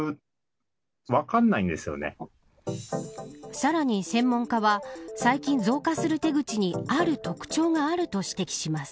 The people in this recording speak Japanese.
さらに専門家は、最近増加する手口にある特徴があると指摘します。